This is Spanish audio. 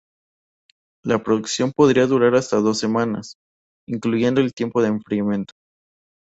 La producción podía durar hasta dos semanas, incluyendo el tiempo de enfriamiento.